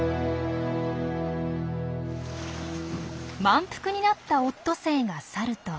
満腹になったオットセイが去ると。